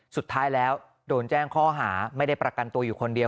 สุดท้ายแล้วโดนแจ้งข้อหาไม่ได้ประกันตัวอยู่คนเดียว